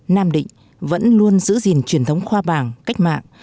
nam định vẫn luôn giữ gìn truyền thống khoa bảng cách mạng